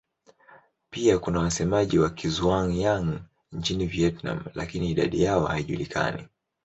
Pia kuna wasemaji wa Kizhuang-Yang nchini Vietnam lakini idadi yao haijulikani.